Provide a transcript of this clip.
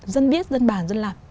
dân biết dân bàn dân làm